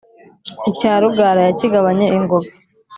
Icya Rugara yakigabanye ingoga